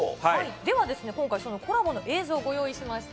では今回、そのコラボの映像ご用意しました。